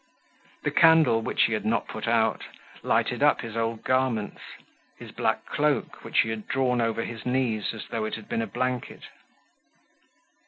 The candle, which he had not put out, lighted up his old garments, his black cloak, which he had drawn over his knees as though it had been a blanket.